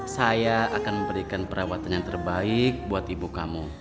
saya akan memberikan perawatan yang terbaik buat ibu kamu